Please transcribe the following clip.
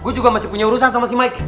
gue juga masih punya urusan sama si mike